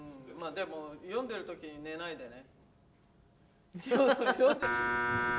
でも読んでる時に寝ないでね。